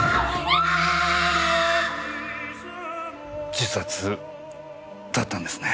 自殺だったんですね。